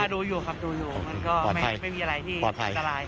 ดูอยู่ครับดูอยู่มันก็ไม่มีอะไรที่อันตราย